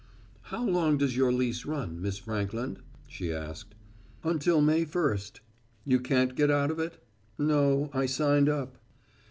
"How long does your lease run, Miss Frankland?" she asked. "Until May first." "You can't get out of it!" "No, I signed up."